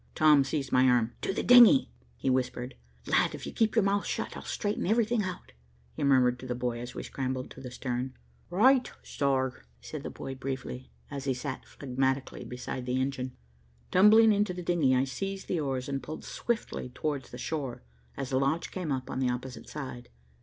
Tom seized my arm. "To the dingy," he whispered. "Lad, if you keep your mouth shut, I'll straighten everything out," he murmured to the boy, as we scrambled to the stern. "Roight, sor," said the boy briefly, as he sat phlegmatically beside the engine. Tumbling into the dingy, I seized the oars and pulled swiftly towards the shore, as the launch came up on the opposite side.